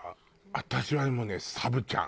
私はもうねサブちゃん。